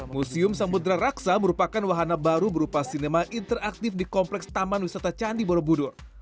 museum samudera raksa merupakan wahana baru berupa sinema interaktif di kompleks taman wisata candi borobudur